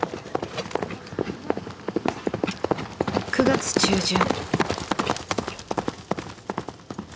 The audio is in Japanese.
９月中旬。